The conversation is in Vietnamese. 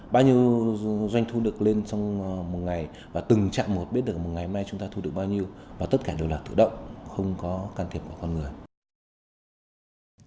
bao nhiêu doanh thu được lên trong một ngày và từng trạng một biết được một ngày nay chúng ta thu được bao nhiêu và tất cả đều là tự động không có can thiệp vào con người